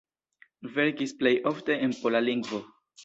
Verkis plej ofte en pola lingvo.